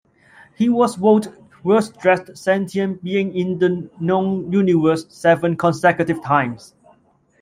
He was voted "Worst Dressed Sentient Being in the Known Universe" seven consecutive times.